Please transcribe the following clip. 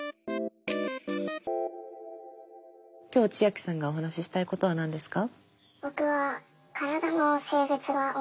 今日チアキさんがお話ししたいことは何ですか？